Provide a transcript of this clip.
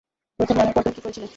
প্রথম জানার পর তুমি কি করেছিলে?